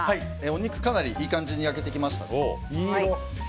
お肉、かなりいい感じに焼けてきました。